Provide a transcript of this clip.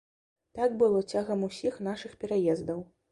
Так было цягам усіх нашых пераездаў.